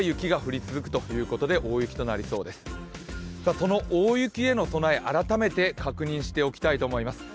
その大雪への備え、改めて確認しておきたいと思います。